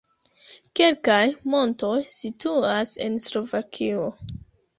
Kelkaj montoj situas en Slovakio.